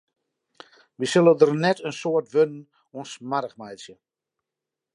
Wy sille der net in soad wurden oan smoarch meitsje.